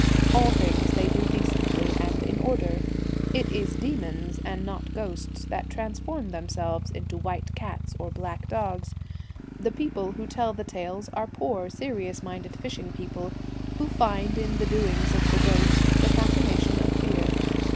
All things they do decently and in order. It is demons, and not ghosts, that transform themselves into white cats or black dogs. The people who tell the tales are poor, serious minded fishing people, who find in the doings of the ghosts the fascination of fear.